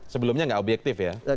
sebelumnya nggak objektif ya